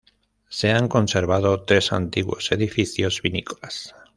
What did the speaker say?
Se han conservado tres antiguos edificios vinícolas.